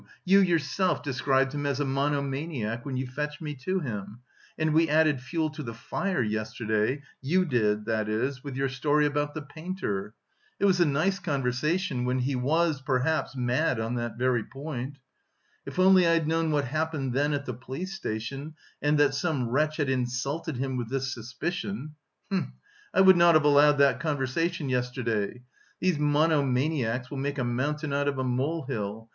You, yourself, described him as a monomaniac when you fetched me to him... and we added fuel to the fire yesterday, you did, that is, with your story about the painter; it was a nice conversation, when he was, perhaps, mad on that very point! If only I'd known what happened then at the police station and that some wretch... had insulted him with this suspicion! Hm... I would not have allowed that conversation yesterday. These monomaniacs will make a mountain out of a mole hill...